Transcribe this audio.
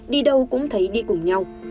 đi đâu cũng thấy đi cùng nhau